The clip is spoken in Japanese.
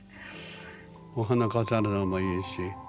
お花飾るのもいいし。